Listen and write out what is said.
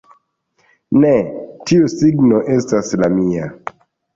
Ne, tiu signo estas la mia